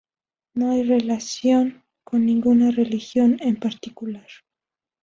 No hay relación con ninguna religión en particular.